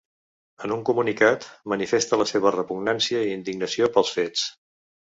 En un comunicat, manifesta la seva ‘repugnància i indignació’ pels fets.